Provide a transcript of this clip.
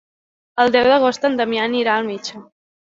El deu d'agost en Damià anirà al metge.